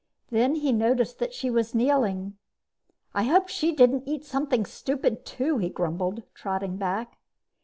Then he noticed that she was kneeling. "Hope she didn't eat some stupid thing too!" he grumbled, trotting back.